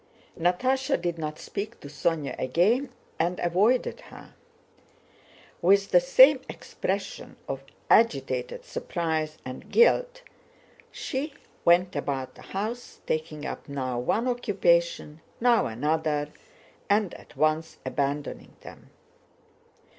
Natásha did not speak to Sónya again and avoided her. With the same expression of agitated surprise and guilt she went about the house, taking up now one occupation, now another, and at once abandoning them.